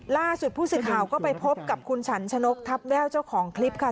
ล่าสุดผู้สื่อข่าวก็ไปพบกับคุณฉันชนกทัพแววเจ้าของคลิปค่ะ